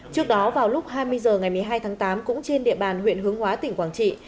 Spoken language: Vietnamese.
trước đó vào lúc hai mươi h ngày một mươi hai tháng tám cũng trên địa bàn huyện hướng hóa tỉnh quảng trị